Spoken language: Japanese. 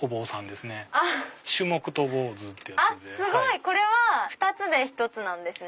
すごい！２つで１つなんですね。